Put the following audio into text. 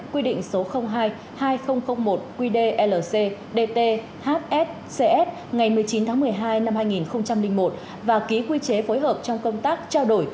quy định số hai hai nghìn một qdlc dt hscs ngày một mươi chín tháng một mươi hai năm hai nghìn một và ký quy chế phối hợp trong công tác trao đổi